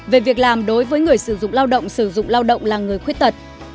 về việc làm đối với người sử dụng lao động sử dụng lao động là người khuyết tật